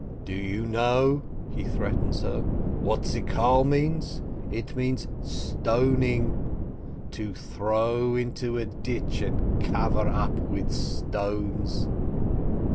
"Do you know," he threatens her, "what Skiloh means? It means stoning, to throw into a ditch and cover up with stones